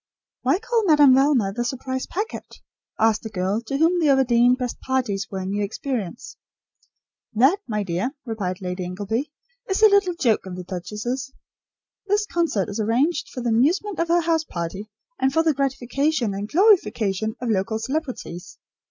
"Why call Madame Velma the `surprise packet'?" asked a girl, to whom the Overdene "best parties" were a new experience. "That, my dear," replied Lady Ingleby, "is a little joke of the duchess's. This concert is arranged for the amusement of her house party, and for the gratification and glorification of local celebrities.